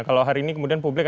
kalau hari ini kemudian publik